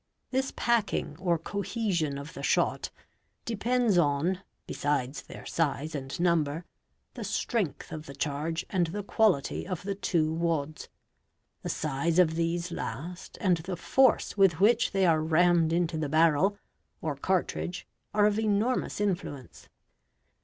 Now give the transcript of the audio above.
This packing or cohesion of the shot depends on, besides their size and number, the strength of the charge and the quality of the two wads. The size of t ese last and the force with which they are rammed into the barrel or ' cartridge are of enormous influence.